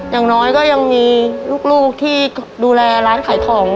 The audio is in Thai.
อย่างน้อยก็ยังมีลูกที่ดูแลร้านขายของ